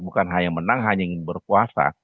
bukan hanya menang hanya ingin berpuasa